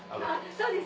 そうです。